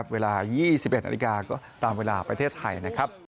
เวลา๒๑นาฬิกาก็ตามเวลาประเทศไทยนะครับ